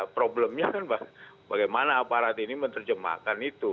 problemnya kan bagaimana aparat ini menerjemahkan itu